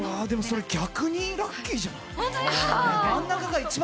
でもそれ逆にラッキーじゃない？